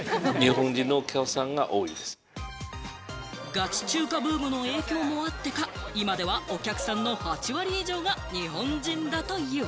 ガチ中華ブームの影響もあってか、今ではお客さんの８割以上が日本人だという。